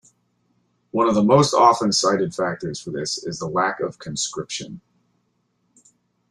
One of the most often cited factors for this is the lack of conscription.